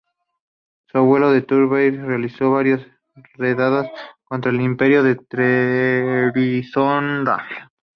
Su abuelo Tur Ali Bey realizó varias redadas contra el Imperio de Trebisonda.